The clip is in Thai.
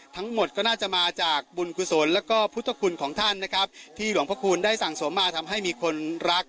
ทั้งหมดก็น่าจะมาจากบุญกุศลแล้วก็พุทธคุณของท่านนะครับที่หลวงพระคุณได้สั่งสมมาทำให้มีคนรัก